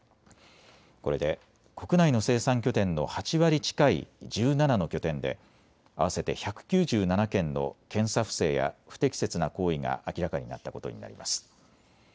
これで国内の生産拠点の８割近い１７の拠点で合わせて１９７件の検査不正や不適切な行為が明らかになったことになります。